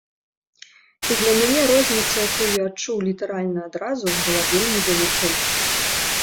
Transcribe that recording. І для мяне розніца, якую я адчуў літаральна адразу, была вельмі вялікай.